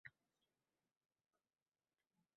Kallasiga qo'yib qo'yib tashagilarim keladi ba'zida.